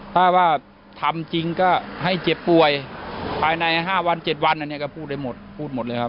ถ้าว่าทำจริงก็ให้เจ็บป่วยภายใน๕วัน๗วันอันนี้ก็พูดได้หมดพูดหมดเลยครับ